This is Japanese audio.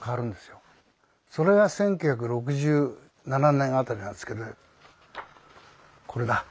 それが１９６７年辺りなんですけどこれだ。